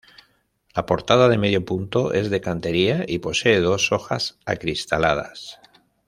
La portada de medio punto es de cantería y posee dos hojas acristaladas.